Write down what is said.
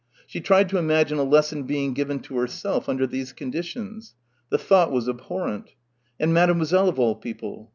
She tried to imagine a lesson being given to herself under these conditions. The thought was abhorrent. And Mademoiselle, of all people.